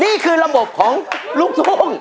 นี่คือระบบของลูกทุ่ง